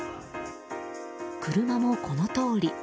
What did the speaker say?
車もこのとおり。